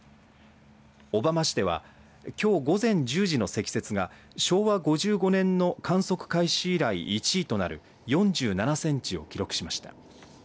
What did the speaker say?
小浜市ではきょう午前１０時の積雪が昭和５５年の観測開始以来１位となる４７センチを記録しました。